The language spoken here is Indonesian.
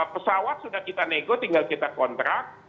pesawat sudah kita nego tinggal kita kontrak